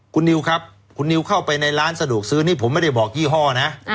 คุณนิวครับคุณนิวเข้าไปในร้านสะดวกซื้อนี่ผมไม่ได้บอกยี่ห้อนะ